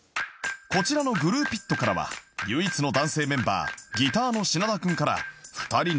こちらの ＧＬＵＥＰｉＴ からは唯一の男性メンバーギターの品田君から２人に相談が